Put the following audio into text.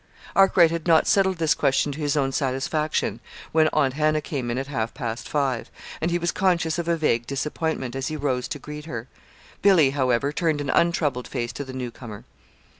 Arkwright had not settled this question to his own satisfaction when Aunt Hannah came in at half past five, and he was conscious of a vague disappointment as he rose to greet her. Billy, however, turned an untroubled face to the newcomer.